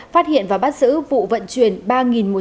phát hiện và bắt giữ vụ vận chuyển